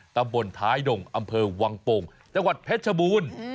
ตำบลท้ายดงอำเภอวังโป่งจังหวัดเพชรชบูรณ์